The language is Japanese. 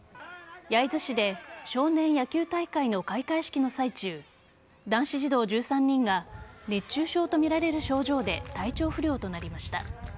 焼津市で少年野球大会の開会式の最中男子児童１３人が熱中症とみられる症状で体調不良となりました。